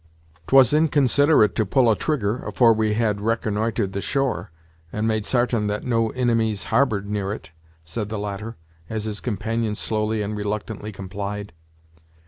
"'Twas inconsiderate to pull a trigger, afore we had reconn'itred the shore, and made sartain that no inimies harbored near it," said the latter, as his companion slowly and reluctantly complied.